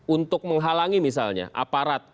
untuk menghalangi misalnya aparat